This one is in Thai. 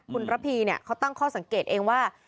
คุณระพีเนี่ยเขาตั้งข้อสังเกตเองว่า